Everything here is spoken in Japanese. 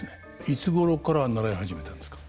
いつごろから習い始めたんですか？